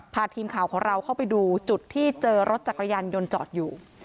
พาทีมข่าวของเราเข้าไปดูจุดที่เจอรถจักรยานยนต์จอดอยู่